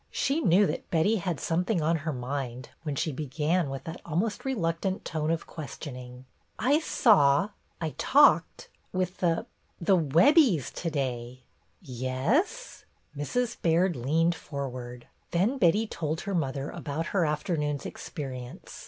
She knew that Betty had some thing on her mind when she began with that almost reluctant tone of questioning. "I saw — I talked — with the — the Web bies to day!" "Yes?" Mrs. Baird leaned forward. Then Betty told her mother about her after noon's experience.